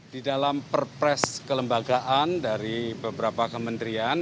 di dalam perpres kelembagaan dari beberapa kementerian